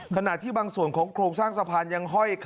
ขนาดที่บางส่วนของโครงสร้างสะพานยังฮ่อยคาอยู่